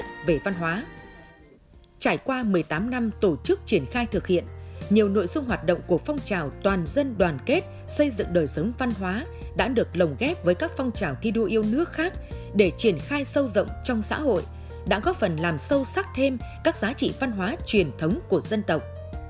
trải qua một mươi tám năm tổ chức triển khai thực hiện nhiều nội dung hoạt động của phong trào toàn dân đoàn kết xây dựng đời sống văn hóa đã được lồng ghép với các phong trào thi đua yêu nước khác để triển khai sâu rộng trong xã hội đã góp phần làm sâu sắc thêm các giá trị văn hóa truyền thống của dân tộc